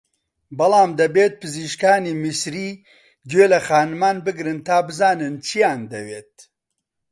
بەڵام دەبێت پزیشکانی میسری گوێ لە خانمان بگرن تا بزانن چییان دەوێت